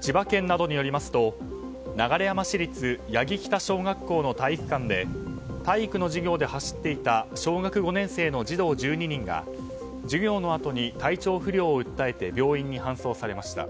千葉県などによりますと流山市立八木北小学校の体育館で体育の授業で走っていた小学５年生の児童１２人が授業のあとに体調不良を訴えて病院に搬送されました。